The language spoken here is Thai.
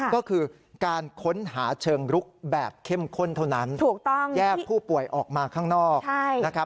ก็คือการค้นหาเชิงรุกแบบเข้มข้นเท่านั้นถูกต้องแยกผู้ป่วยออกมาข้างนอกนะครับ